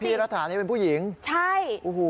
พี่รัฐานี่เป็นผู้หญิงใช่